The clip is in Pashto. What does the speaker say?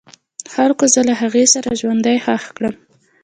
خلکو زه له هغې سره ژوندی خښ کړم.